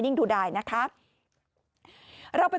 สุดยอดดีแล้วล่ะ